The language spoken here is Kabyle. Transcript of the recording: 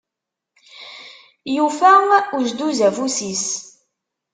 Yufa uzduz afus-is.